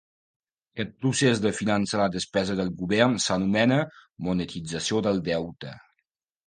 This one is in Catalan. Aquest procés de finançar la despesa del govern s'anomena "monetització del deute".